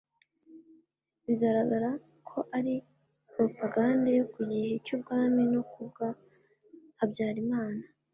bigaragara koari propagande (yo ku gihe cy' ubwami no ku bwa habyarimana)